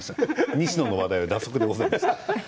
西野の話題は蛇足でございました。